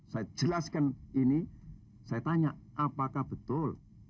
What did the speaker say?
saya jelaskan ini saya tanya apakah betul